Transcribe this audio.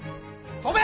飛べ！